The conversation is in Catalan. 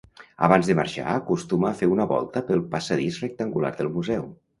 Abans de marxar acostuma a fer una volta pel passadís rectangular del museu.